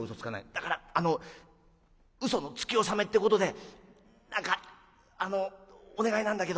「だからあの嘘のつき納めってことで何かあのお願いなんだけど」。